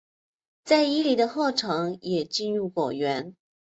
在伊犁的霍城也进入果园。